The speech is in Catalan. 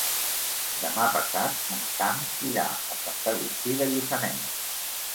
Demà passat en Sam irà a Sant Agustí de Lluçanès.